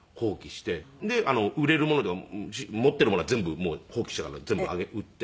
で売れるものというか持っているものは全部放棄したから全部売って。